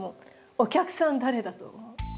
お客さん誰だと思う？